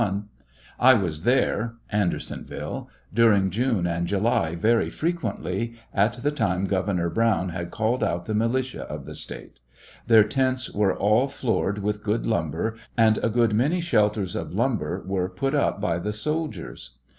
1051 :) I was there (Andersonville) during June and July very frequently, at the time Governor Brown had called out the militia of the State. Their tents were all floored with good lumber, and a good many shelters of lumber were put up by the soldiers.